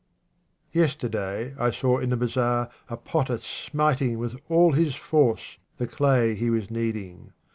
Yesterday I saw in the bazaar a potter smit ing with all his force the clay he was kneading.